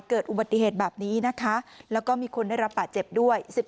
เกิดอุบัติเหตุแบบนี้นะคะแล้วก็มีคนได้รับบาดเจ็บด้วย